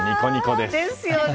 ですよね！